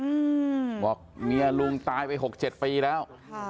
นี่ค่ะบอกเมียลุงตายไปหกเจ็ดปีแล้ว